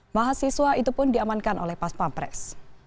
mahasiswa itu pun diamankan oleh paspampres